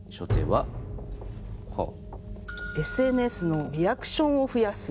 「ＳＮＳのリアクションを増やす」。